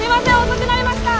遅くなりました！